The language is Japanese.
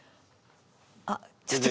あっちょっと。